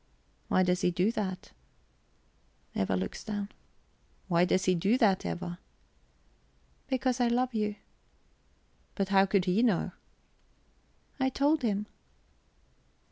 "Why does he do that?" Eva looks down. "Why does he do that, Eva?" "Because I love you." "But how could he know?" "I told him."